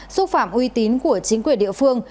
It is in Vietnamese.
xúc phạm uy tín của chính quyền địa phương